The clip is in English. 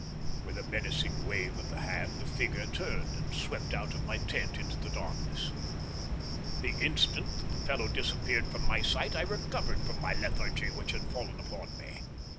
With a menacing wave of the hand the figure turned and swept out of my tent into the darkness. The instant that the fellow disappeared from my sight I recovered from my lethargy which had fallen upon me.